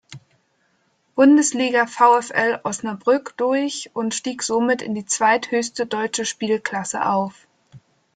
Bundesliga VfL Osnabrück durch und stieg somit in die zweithöchste deutsche Spielklasse auf.